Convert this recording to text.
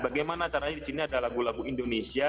bagaimana caranya di sini ada lagu lagu indonesia